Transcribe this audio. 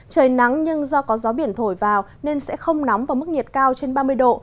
trời nắng nhưng do có gió biển thổi vào nên sẽ không nóng vào mức nhiệt cao trên ba mươi độ